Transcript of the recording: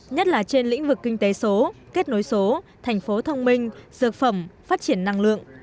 nhất là trên lĩnh vực kinh tế số kết nối số thành phố thông minh dược phẩm phát triển năng lượng